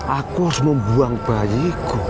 aku harus membuang bayiku